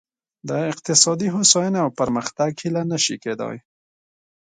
د اقتصادي هوساینې او پرمختګ هیله نه شي کېدای.